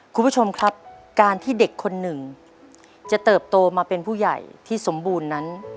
คุณผู้ชมครับการที่เด็กคนหนึ่งจะเติบโตมาเป็นผู้ใหญ่ที่สมบูรณ์นั้น